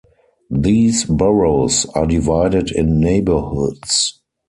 These Boroughs are divided in neighborhoods.